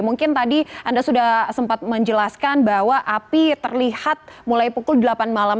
mungkin tadi anda sudah sempat menjelaskan bahwa api terlihat mulai pukul delapan malam